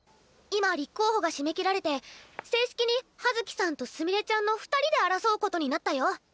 今立候補が締め切られて正式に葉月さんとすみれちゃんの２人で争うことになったよ！